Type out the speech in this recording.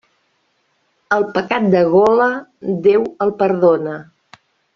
El pecat de gola, Déu el perdona.